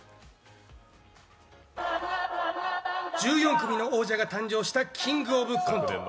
１４組の王者が誕生した「キングオブコント」